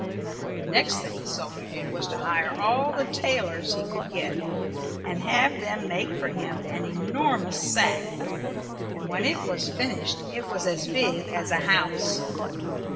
The next thing the soldier did was to hire all the tailors he could get, and have them make for him an enormous sack, and when it was finished it was as big as a house.